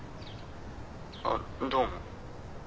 あっどうも。